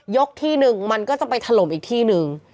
ที่หนึ่งมันก็จะไปถล่มอีกที่หนึ่ง